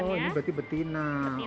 oh ini berarti betina